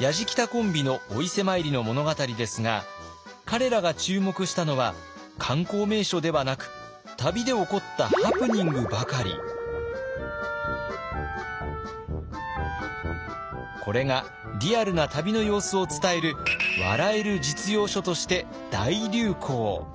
やじきたコンビのお伊勢参りの物語ですが彼らが注目したのは観光名所ではなくこれがリアルな旅の様子を伝える笑える実用書として大流行。